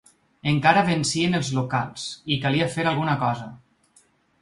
Encara vencien els locals, i calia fer alguna cosa.